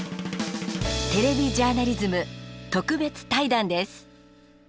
「テレビジャーナリズム」特別対談です。